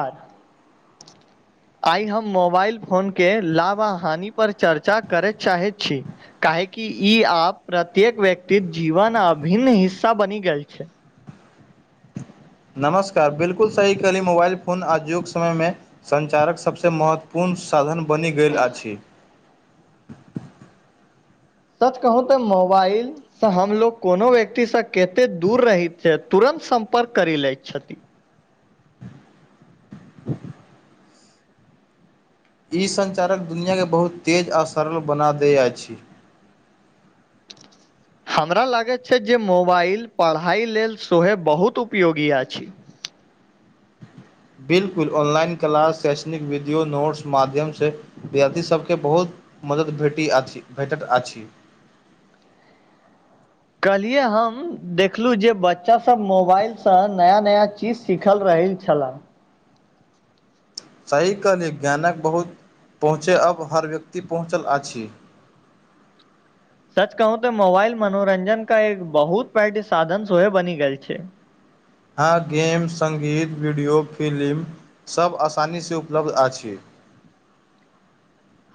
आ आइ हम मोबाइल फोनके लाभ हानिपर चर्चा करय चाहैत छ काहेकि ई आप प्रत्येक व्यक्त जीवन अभिन्न हिस्सा बनि गेल छ नमस्कार बिलकुल सही कही मोबाइल फोन आ युग समय म सञ्चारक सभसँ महत्वपूर्ण साधन बनि गेल अछ सच कहू तऽ मोबाइ त हमलोग कोनो व्यक्तिसँ कते दूर रहैत छै तुरन्त सम्पर्क करि लैत छथ ई सञ्चारक दुनिआँके बहुत तेज आ सरल बना दैत अछ हमरा लागैत छै जे मोबाइल पढ़ाइ लेल सेहोहे बहुत उपयोगी अछ बिलकुल ऑनलाइन क्लाास शै्षणिक वीडियो नोट्स माध्यम स विद्यार्थीसभके बहुत मदद भेटी अछि भेटैत अछ कहलियै हम देखलहुँ जे बच्चासभ मोबाइलसँ नया नया ची सीखल रहै छला सही कहली ज्ञानक बहुत पहुँचै अब हर व्यक्ति पहुँचल अछ सच कहू ते मोबाइल मनोरंजन का एक बहुत पारट साधन सोहे बनि गेल छ हँ गेम संगीत वीडियो फिलि्मसभ आसानीसँ उपलब्ध अछ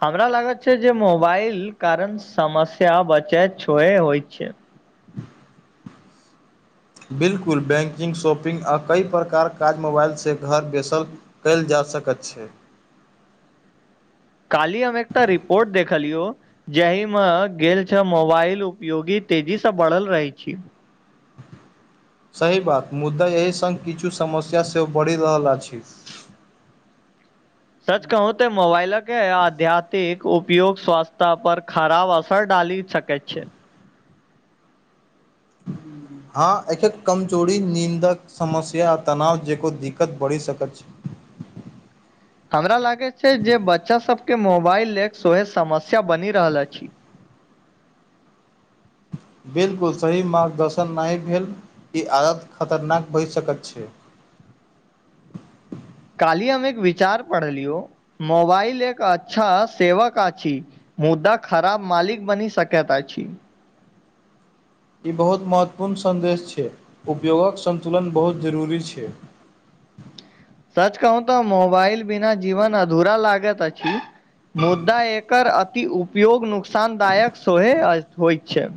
हमरा लागत छै जे मोबाइल कारण समस्या बचै छु होइ छ बिलकुल बैंकिंग शॉपिंग आ कइ प्रकारक काज मोबाइलसँ घर बैस कएयल जा सकैत छ काली हम एकटा रिपोर्ट देखलिय जाहि मे गेल छ मोबाइल उपयोगी तेजीसँ बढ़ल रहै छ सही बात मुद्दा एहि संग किछु समस्या सेहो बढ़ि रहल अछ सच कहू ते मोबाइलके आध्यात्मिक उपयोग स्वास्थ्य आ पर खराब असर डाल सक छ ह हँ एक कमजोरी नीन्दक समस्या आ तनाव जेकर दिक्कत बढ़ि सकैत छै हमरा लागे छै जे बच्चा सबके मोबाइल ले सोहे समस्या बनि रहल अछ बिलकुल सही मार्गदर्शन नहि भेल ई आदत खतरनाक भऽ सकैत छ काली हम एक विचार पढ़लियो मोबाइल एक अच्छा सेवक आछ मुद्दा खराब मालिक बनी सकैत छ बहुत महत्वपूर्ण सन्देश छै उपयोगक सन्तुलन बहुत जरूरी छ सच कहू तऽ मोबाइल बिना जीवन अधूरा लागत अछ मुदा एकर अति उपयोग नुकसानदायक सोहे होइत छ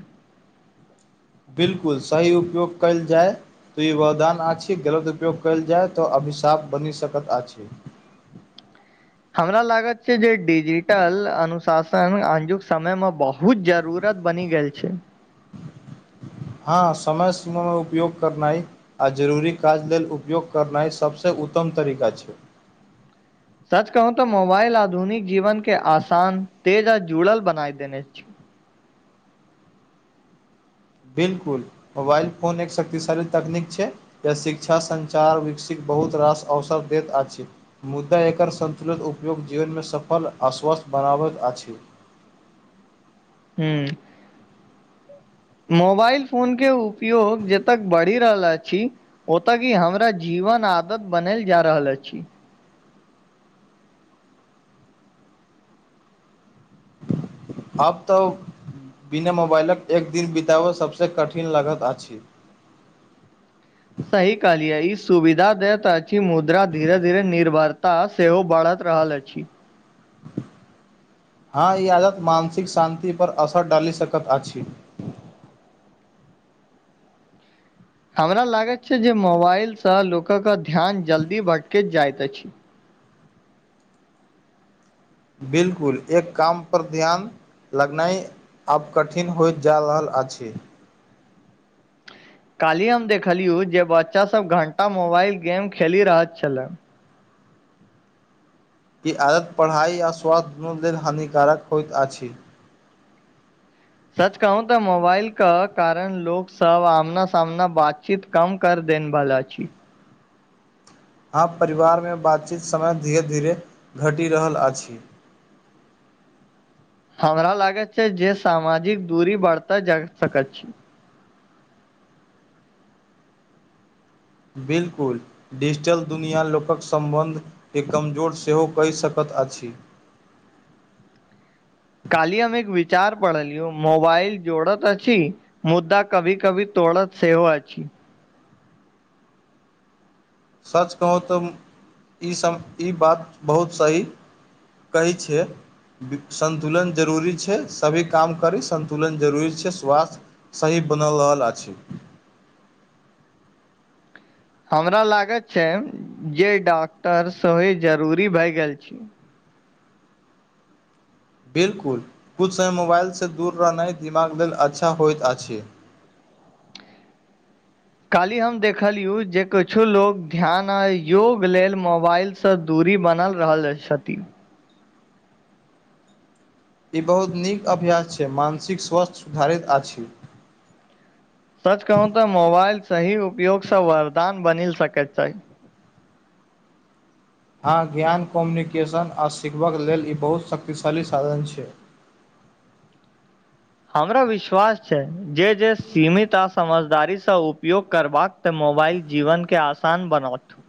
बिल्कुल सही उपयोग कयल जा त ई वरदान आछी गलत उपयोग कयल जाय त अभिशाप बनी सकत आछ हमरा लागत छै जे डिजिटल अनुशासन अजुक समय मे बहु बुत जरूरत बनि गेल छ हँ समय सीमामे उपयोग करना आ जरूरी काज लेल उपयोग करनाइ सभसँ उत्तम तरीका छ सच कहू तऽ मोबाइल आधुनिक जीवन के आसान तेज आ जुड़ल बनाई देन बिल्कुल मोबाइल फोन एक शक्तिशाली तकनीक छ शिक्षा संचार वस बहुत रास अवसर दैत अछ मुद्दा एकर संन्तुलित उपयोग जीवनमे सफल आश्वस्थ बनाबैत अछ ह मोबाइल फोनके उपयोग जतय बढ़ि रहल अछ ओतय की हमरा जीवन आदत बनल जा रहल अछ आब तऽ बिना मोबाइलक एक दिन बितबै सभसँ कठिन लगत अछ सही कहलिय ई सुविधा दयताी मुद्रा धीरे धीरे निर्भरताा सेहो बढ़त रहल अछ हँ ई आादत मानसिक शान्तिपर असर डालि सकैत अछ हमरा लागैत छै जे मोबाइलसँ लोकके ध्यान जल्दी भटकैत जाइत अछ बिलकुल एक कामप ध्या लगनाइ आब कठिन होइत जा रहल छि काल्हि हम देखलियु जे बच्चा सब घंटा मोबाइल गेम खेली रहल छल ई आदत पढ़ाइ आओ स्वास्थ्य दुनू लेल हानिकारक होइत अछ सच कहू तऽ मोबाइल क कारण लोक सब आमना सामना बातची काम कर देन बालाच हँ परिवारमे बातचीत समय धीरे धीरे घटि रहल अछ हमरा लागैत छै जे सामाजिक दूरी बरतय जा सकैत छ बिलकु डिजिटल दुनिआँ लोकक सम्बन्धके कमजोर सेहो कहि सकैत अछ काल्हि हम एक विचार पढ़लिय मोबाइल जोड़त अछ मुद्दा कभी कभी तोड़त सेहो अछि छ सच कहू तऽ ईसभ ई बात बहुत सह कहै छीय सन्तुलन जरूरी छै सभी काम करी संन्तुलन जरूरी छै स्वास्थ् सही बन रहल अछ हमरा लागत छै जे डॉक्टर स जरूरी भए गेल छ बिल्कुल कुछ समय मोबाइलसँ दूर रहनाइ दिमाग लेल अच्छा होइत अछ काली हम देखलियु जे कुछो लोग ध्यान आ योग लेल मोबाइ सँ दूरी बनल रहल छथि ई बहुत नीक अभ्यास छै मानसिक स्वास्थ्य सुधारित अछ सच कहू तऽ मोबाइल सही उपयोगसँ वरदान बनिल सकैत अछ हँ ज्ञान कोम्युनिकेशन आ सिखबक लेल ई बहुत शक्तिशाली साधन छ हमरा विश्वास छै जे जे सीमित आ समझदारीसँ उपयोग करबा तऽ मोबाइल जीवनके आसान बनौत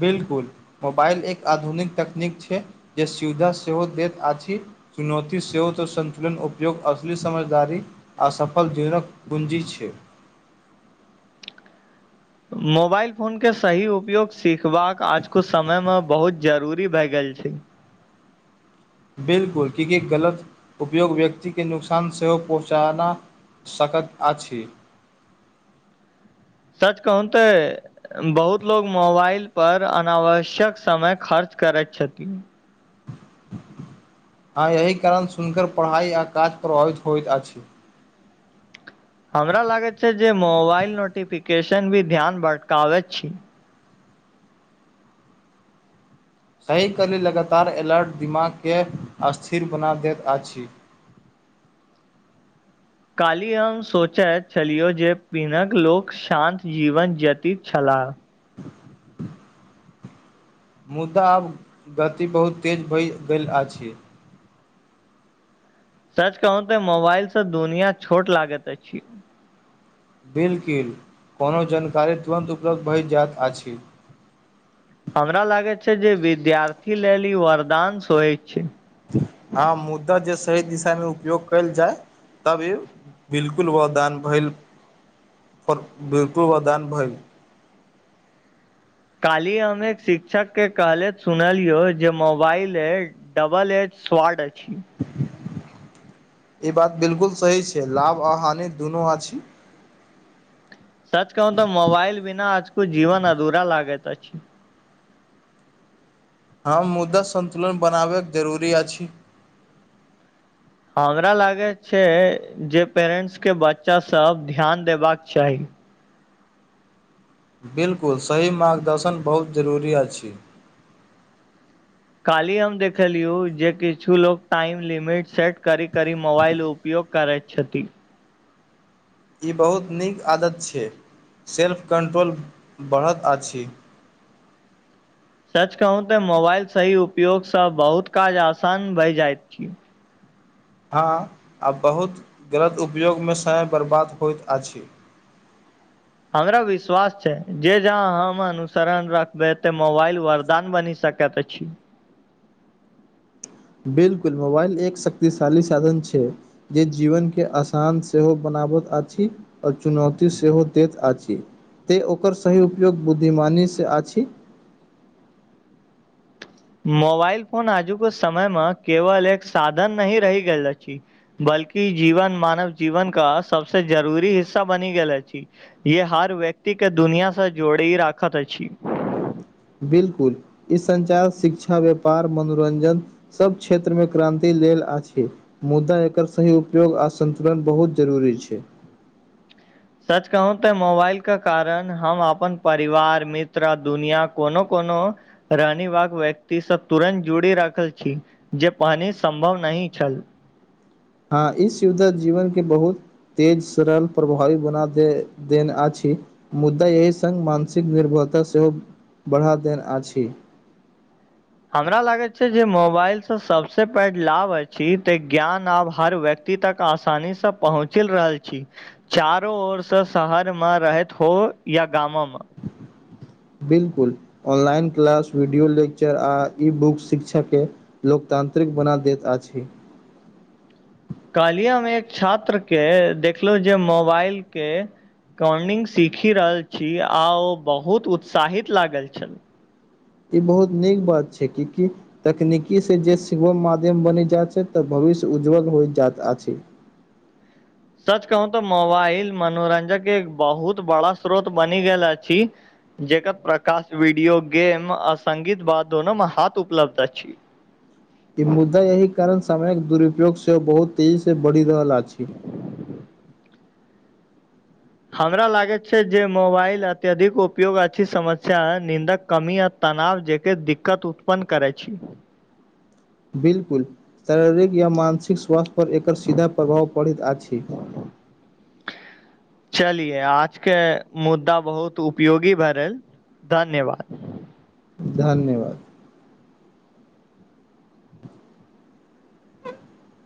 बिल्कुल मोबाइल एक आधुनिक तकनीक छै जे सुविधा सेहो दैत अछ चुनौती सेवत संन्तुलन उपयोग असल समझदार असफल जीवनक पूँजी छ मोबाइल फोन के सही उपयोग सीखबाक आजक समय मे बहु जरूरी भए गेल छ बिलकुल कि गलत उपयोग व्यक्ति के नुकसान सेहो पहुँचान सकैत अछ सच कहुँन बहुत लोग मोबाइल पर अनावश्यक समय खर्च करैत छथि हँ एहि कारण सुननकर पढ़ाइ आ काज प्रभावित होइत अछ हमरा लागैत छै जे मोबाइल नोटिफिकेशन भी ध्यान भटकाबैत छ सही कली लगातार अलर्ट दिमागके स्थिर बना दैत अछ काल्हि हम सोचैत छलियौ जे पिनक लोक शान्त जीवन ज्यतित छला मुदा आब गति बहुत तेज भए गेल अछ सच कहू ते मोबाइल से दुनिया छोट लागैत अछ बिलकुल कोनो जानकारी तुरन्त उपलब्ध भऽ जायइत अछ हमरा लागे छै जे विद्यार्थी लेल ई सोय छ हँ मुदा जे सही दिशा मे उपयोग कयल जाय तबी बिलकुल वदान भइल बिलकुल वदान भइल काल्हि हम एक शिक्षक के कहलथि सुनलियो जे मोबाइल ए डबल एट स्वाड अछि ई बात बिलकुल सही छै लाभ आ हानि दुनू आछी सच कहू तऽ मोबाइल बिना आजकु जीवन अधूरा लागैत अछि हम मुददा सन्तुलन बनाबै जरूरी अछि हमरा लागैत छै जे पैरेनस के बच्चासभ ध्यान देबाक चाही बिलकुल सही मार्गदर्शन बहुत जरूरी अछि काल्हि हम देखलियौ जे किछु लोग टाइम लिमिट सेट करिक करी मोबाइल उपयोग करैत छथि ई बहुत नीक आदत छै सेल्फ कंट्रोल बढ़त अछि सच कहू तऽ मोबाइल सही उपयोगसँ बहुत काज आसान भए जाइत छी हँ आ बहुत गलत उपयोगमे समय बर्बाद होइत अछि हमरा विश्वास छै जे जहा हम अनुसरण रखबै ते मोबाइल वरदान बनी सक तय तऽ छी बिलकुल मोबाइल एक शक्तिशाली साधन छै जे जिवनके आसान सेहो बनाबैत अछि आ चुनौती सेहो देत अछि तै ओकर सही उपयोग बुद्धिमानीसँ आछि मोबाइल फोन आजु के समय मे केवल एक साधन नही रहि गेल अछि बल्कि जीवन मानव जीवन का सबसऽ जरूरी हिस्सा बनि गेले छी ये हर व्यक्ति के दुनिया स जोड़ी राखत अछि बिलकुल इ संचार शिक्षा व्यापार मनोरंजन सब क्षेत्र मे क्रान्ति लेल आछि मुदा एकर सही उपयोग आ सन्तुलन बहुत जरूरी छै सच कहू ते मोबाइ के कारण हम अपन परिवार मित्र दुनिया कोनो कोनो रानी ब व्यक्तिसँ तुरन्त जुड़ी रखल छी जे पानी सम्भव नहि छल हँ ई सुविधा जीवन के बहुत तेज सरल प्रभावी बना दे देन अछि मुद्दा एहि सङ्ग मानसिक निर्भरता सेहो बढ़ा देन अछि हमरा लागैत छै जे मोबाइल से सबसे पैघ लाभ अछि तऽ ज्ञान आब हर व्यक्त ती तक आसानी से पहुँचल रहल छी चारो ओरसँ शहरमे रहैत हो या गाममे बिल्कुल ऑनलाइन क्लास वीडियो लेक्चर आ ई बुक शिक्षक के लोकतांत्रिक बना दैत अछि काल्हि हमे एक छात्रके देखलहुँ जे मोबाइलके कॉर्नि्ंग सीखि रहल छी आ ओ बहुत उत्साहित लागल छन ई बहुत नीक बात छै कि कि तकनीकी से जे सिवोम माध्यम बनि जाइत छै तऽ भविष्य उज्ज्वल होय जाइत अछि सच कहू तऽ मोबाइल मनोरंजन के एक बहुत बड़ा स्रोत बनि गेल अछि जेकर प्रकाश वीडियो गेम आ सङ्गीत बाद दोनोमे हाथ उपलब्ध अछि ई मुद्दा एहि कारण सामयक दुरुपयोग सेहो बहुत तेजीसँ बढ़ि रहल अछि हमरा लागैत छै जे मोबाइल अत्यधिक उपयोग अछि समस्या निन्दक कमीयत तनाव जेके दिक्कत उत्पन्न करै छी बिलकुल शारीरिक या मानसिक स्वास्थ्य पर एकर सीधा प्रभाव पड़ैत अछि [inaudible] चलिये आजके मुद्दा बहुत उपयोगी भरल धन्यवाद धन्यवाद [inaudible] [inaudible]